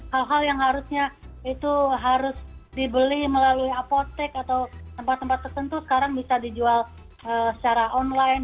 hal hal yang harusnya itu harus dibeli melalui apotek atau tempat tempat tertentu sekarang bisa dijual secara online